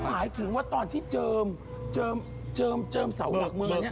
อ๋อหมายถึงว่าตอนที่เจิมเจิมเจิมเจิมสาวหลักเมืองเนี่ย